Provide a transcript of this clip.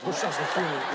急に。